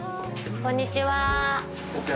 こんにちは。